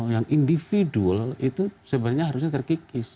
yang individual itu sebenarnya harusnya terkikis